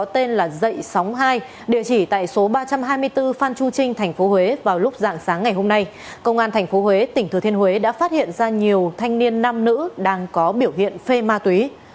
thành phố huế tỉnh thừa thiên huế đã phát hiện ra nhiều thanh niên nam nữ đang có biểu hiện phê ma túy